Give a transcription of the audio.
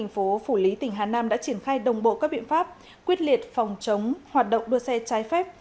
phủ lý tỉnh hà nam đã triển khai đồng bộ các biện pháp quyết liệt phòng chống hoạt động đua xe trái phép